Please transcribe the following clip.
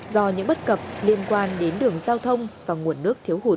do những bất cập liên quan đến đường giao thông và nguồn nước thiếu hụt